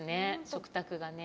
食卓がね。